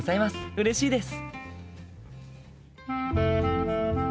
うれしいです！